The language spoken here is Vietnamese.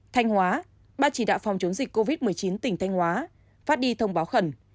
thanh hóa ban chỉ đạo phòng chống dịch covid một mươi chín tỉnh thanh hóa phát đi thông báo khẩn